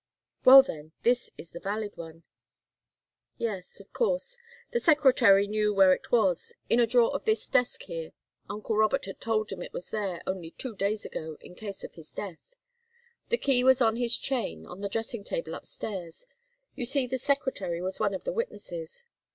"Well, then, this is the valid one." "Yes of course. The secretary knew where it was in a drawer of this desk, here. Uncle Robert had told him it was there, only two days ago, in case of his death. The key was on his chain, on the dressing table upstairs. You see the secretary was one of the witnesses."